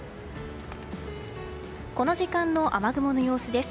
この時間の雨雲の様子です。